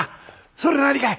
それ何かい？